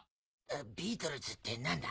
ビートルズって何だ？